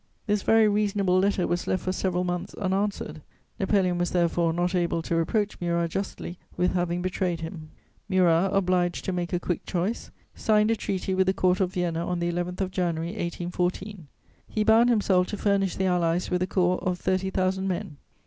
This very reasonable letter was left for several months unanswered; Napoleon was, therefore, not able to reproach Murat justly with having betrayed him. Murat, obliged to make a quick choice, signed a treaty with the Court of Vienna on the 11th of January 1814; he bound himself to furnish the Allies with a corps of thirty thousand men.